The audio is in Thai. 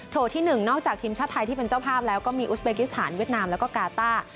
ที่๑นอกจากทีมชาติไทยที่เป็นเจ้าภาพแล้วก็มีอุสเบกิสถานเวียดนามแล้วก็กาต้า